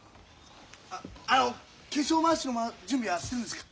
あの化粧まわしの準備はしてるんですか？